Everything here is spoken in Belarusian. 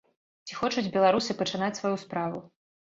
Ці хочуць беларусы пачынаць сваю справу?